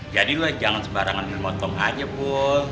jadi lo jangan sebarangan memotong aja bu